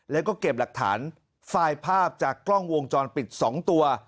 แล้วก็เก็บหลักฐานไฟล์ภาพจากกล้องวงจรปิด๒ตัว